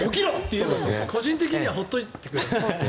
個人的には放っておいてほしいです。